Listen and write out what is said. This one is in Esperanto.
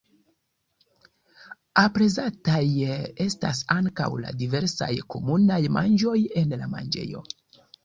Aprezataj estas ankaŭ la diversaj komunaj manĝoj en la manĝejo.